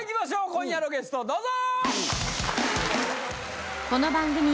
今夜のゲストどうぞ！